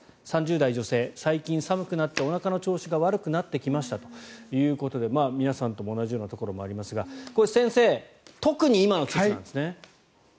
３０代女性、最近寒くなっておなかの調子が悪くなってきましたということで皆さんとも同じようなところもありますが先生、特に今の季節なんですね。